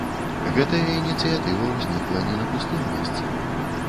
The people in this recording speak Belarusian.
Гэтая ініцыятыва ўзнікла не на пустым месцы.